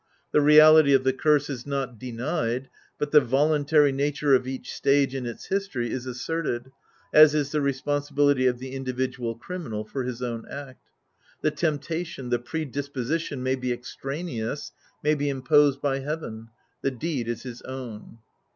The reality of the curse is not denied, but the voluntary nature of each stage in its history is asserted, as is the responsibility of the individual criminal for his own act The temptation, the pre disposition, may be extraneous, may be imposed by heaven ; the deed is his own.